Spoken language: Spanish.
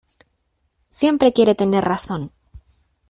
Siempre quiere tener razón.